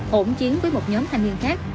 hỗn chiến với một nhóm thanh niên khác